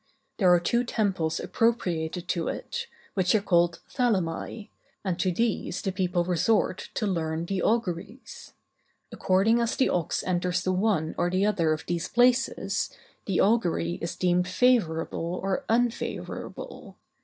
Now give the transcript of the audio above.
There are two temples appropriated to it, which are called thalami, and to these the people resort to learn the auguries. According as the ox enters the one or the other of these places, the augury is deemed favorable or unfavorable.